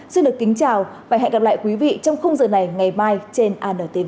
xin được kính chào và hẹn gặp lại quý vị trong khung giờ này ngày mai trên antv